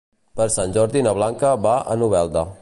Per Sant Jordi na Blanca va a Novelda.